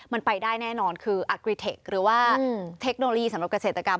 มันไปได้แน่นอนคืออักริเทคหรือว่าเทคโนโลยีสำหรับเกษตรกรรม